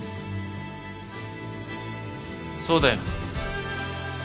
そうだよ。